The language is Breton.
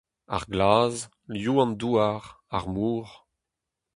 Ar glaz, liv an douar, ar mor.